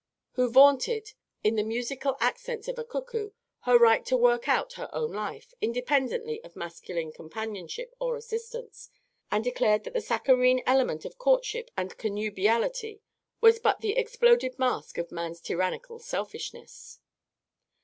_), who vaunted, in the musical accents of a cuckoo, her right to work out her own life, independently of masculine companionship or assistance, and declared that the saccharine element of courtship and connubiality was but the exploded mask of man's tyrannical selfishness.